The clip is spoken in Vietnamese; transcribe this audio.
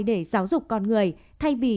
để giáo dục con người thay vì